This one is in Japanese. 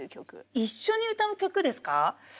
一緒に歌う曲ですか？